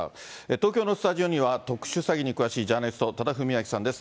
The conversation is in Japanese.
東京のスタジオには、特殊詐欺に詳しいジャーナリスト、多田文明さんです。